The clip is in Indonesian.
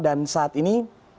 dan saat ini